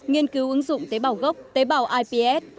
nghiên cứu ứng dụng tế bảo gốc tế bảo ips